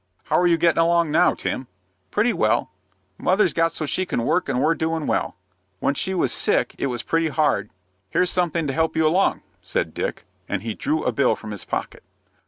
"How are you getting along now, Tim?" "Pretty well. Mother's got so she can work and we're doin' well. When she was sick, it was pretty hard." "Here's something to help you along," said Dick, and he drew a bill from his pocket.